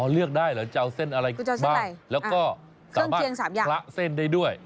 เลือกได้เหรอจะเอาเส้นอะไรบ้างแล้วก็สามารถคละเส้นได้ด้วย